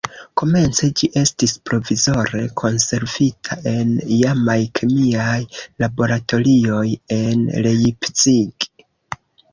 Komence ĝi estis provizore konservita en iamaj kemiaj laboratorioj en Leipzig.